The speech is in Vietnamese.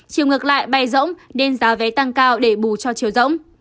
chiều ngược lại bay rỗng nên giá vé tăng cao để bù cho chiều rỗng